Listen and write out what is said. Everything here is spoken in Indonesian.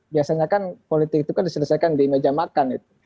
biasanya kan politik itu kan diselesaikan di meja makan itu